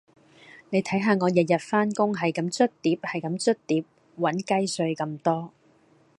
你睇下我日日返工係咁捽碟係咁捽碟搵雞碎咁多